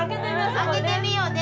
開けてみようね。